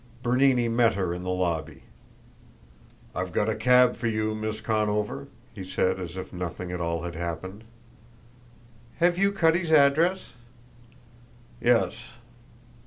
Bernini met her in the lobby. "I've got a cab for you, Miss Conover," he said as if nothing at all had happened. "Have you Cutty's address?" "Yes."